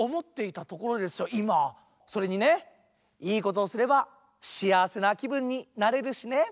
それにねいいことをすれば幸せなきぶんになれるしね。